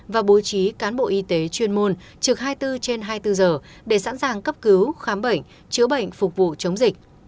và bố trí cán bộ y tế chuyên môn trực hai mươi bốn trên hai mươi bốn giờ để sẵn sàng cấp cứu khám bệnh chữa bệnh phục vụ chống dịch